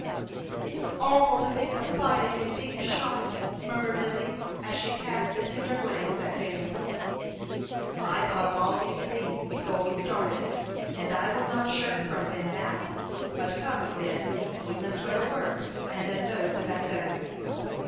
"It's awful to think of fighting and being shot," murmured Lily, as she cast a tender glance at Dan. "I thought of all these things before we started, and I will not shrink from them now. But come, Cyd; we must go to work and unload the bateau."